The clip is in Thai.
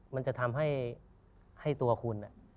มันจะทำให้ตัวคุณ